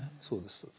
そうです。